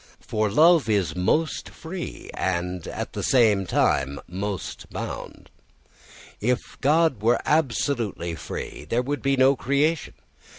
For love is most free and at the same time most bound. If God were absolutely free there would be no creation.